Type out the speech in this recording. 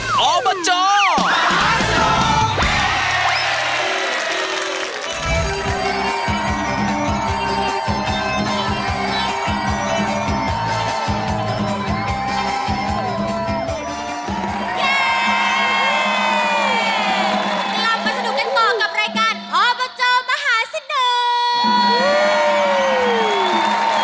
กลับมาสนุกกันต่อกับรายการอบจมหาสนุก